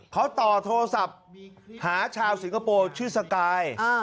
เขาต่อโทรศัพท์หาชาวสิงคโปร์ชื่อสกาย